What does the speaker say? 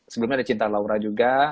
sebelumnya ada cinta laura juga